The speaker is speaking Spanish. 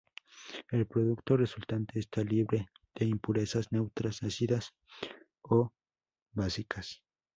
El producto resultante está libre de impurezas neutras, ácidas o básicas.